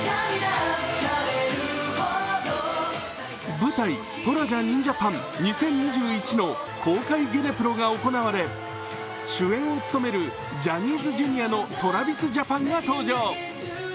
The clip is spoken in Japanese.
舞台「虎者ＮＩＮＪＡＰＡＮ２０２１」の公開ディネプロが行われ、主演を務めるジャニーズＪｒ．のＴｒａｖｉｓＪａｐａｎが登場。